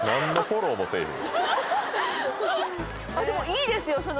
でもいいですよ。